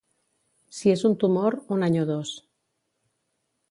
Si és un tumor, un any o dos.